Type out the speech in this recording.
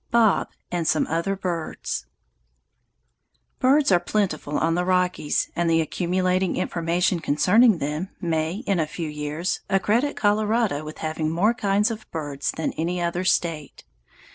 Bob and Some Other Birds Birds are plentiful on the Rockies, and the accumulating information concerning them may, in a few years, accredit Colorado with having more kinds of birds than any other State.